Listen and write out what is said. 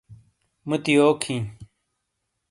موتی یوک ہی؟